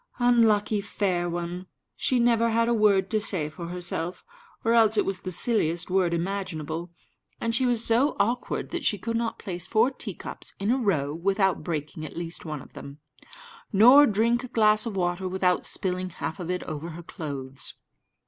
Unlucky fair one! she never had a word to say for herself, or else it was the silliest word imaginable, and she was so awkward that she could not place four teacups in a row without breaking at least one of them, nor drink a glass of water without spilling half of it over her clothes.